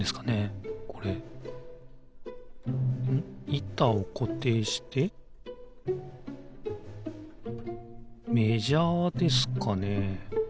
いたをこていしてメジャーですかね？